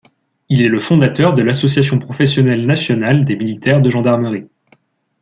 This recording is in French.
Il est le fondateur de l'Association professionnelle nationale des militaires de gendarmerie.